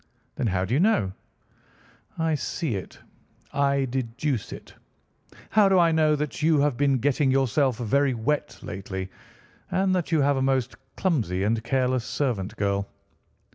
"Then, how do you know?" "I see it, I deduce it. How do I know that you have been getting yourself very wet lately, and that you have a most clumsy and careless servant girl?"